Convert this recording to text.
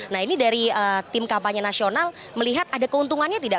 nah ini dari tim kampanye nasional melihat ada keuntungannya tidak